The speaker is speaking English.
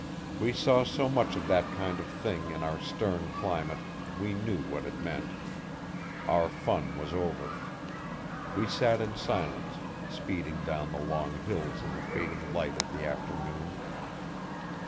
We saw so much of that kind of thing in our stern climate we knew what it meant. Our fun was over. We sat in silence, speeding down the long hills in the fading light of the afternoon.